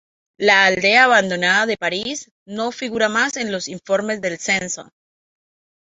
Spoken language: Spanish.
La aldea abandonada de Paris no figura más en los informes del censo.